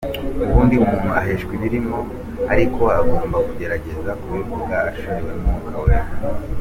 Ubundi umuntu aheshwa ibirimo, ariko agomba kugerageza kubivuga ashorewe n’Umwuka Wera.